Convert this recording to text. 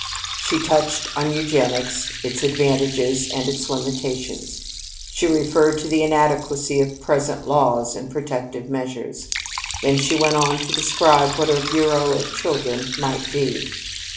She touched on eugenics its advantages and its limitations; she referred to the inadequacy of present laws and protective measures. Then she went on to describe what a Bureau of Children might be.